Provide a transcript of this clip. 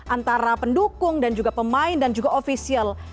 antara pendukung dan juga pemain dan juga ofisial